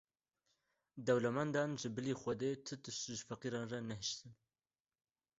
Dewlemendan, ji bilî Xwedê ti tişt ji feqîran re nehiştin.